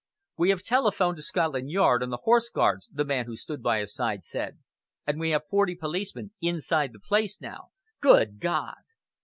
"We have telephoned to Scotland Yard and the Horse Guards," the man who stood by my side said, "and we have forty policemen inside the place now! Good God!"